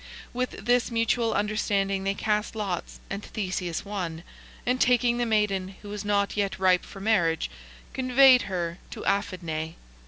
With this mutual understanding they cast lots, and Theseus won, and taking the maiden, who was not yet ripe for marriage, conveyed her to Aphidnae.